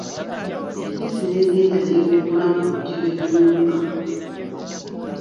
Empisi n'egenda n'ekoonkona ku luggi lw'ennyumba.